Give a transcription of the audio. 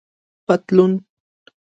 👖پطلون